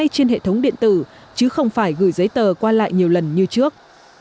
đúng điện tử chứ không phải gửi giấy tờ qua lại nhiều lần như trước